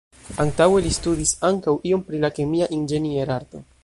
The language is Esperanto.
Antaŭe, li studis ankaŭ iom pri la Kemia Inĝenierarto.